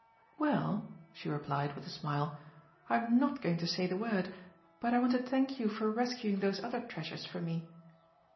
"Well," she replied, with a smile, "I am not going to say the word, but I want to thank you for rescuing those other treasures for me."